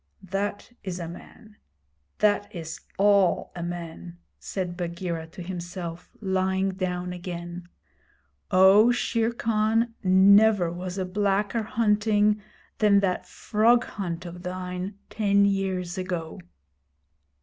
'That is a man. That is all a man,' said Bagheera to himself, lying down again. 'Oh, Shere Khan, never was a blacker hunting than that frog hunt of thine ten years ago!'